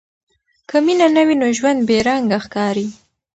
که مینه نه وي، نو ژوند بې رنګه ښکاري.